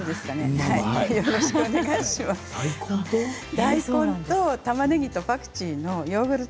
大根とたまねぎとパクチーのヨーグルト